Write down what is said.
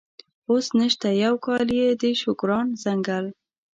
اوس نشته، یو کال یې د شوکران ځنګل.